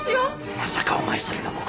まさかお前それが目的で！？